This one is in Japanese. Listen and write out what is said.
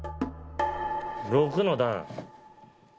６の段。